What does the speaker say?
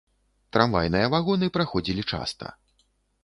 Трамвайныя вагоны праходзілі часта.